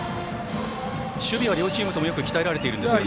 守備は両チームともよく鍛えられていますね。